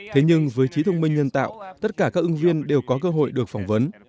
thế nhưng với trí thông minh nhân tạo tất cả các ứng viên đều có cơ hội được phỏng vấn